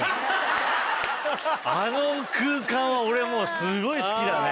あの空間は俺もうすごい好きだね。